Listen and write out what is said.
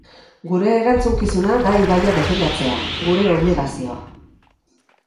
Gure erantzunkizuna da ibaia defendatzea, gure obligazioa.